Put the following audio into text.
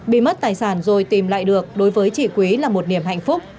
bị mất tài sản rồi tìm lại được đối với chị quý là một niềm hạnh phúc